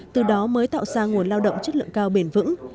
từ đó mới tạo ra nguồn lao động chất lượng cao bền vững